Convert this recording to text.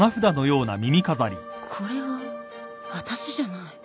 これはあたしじゃない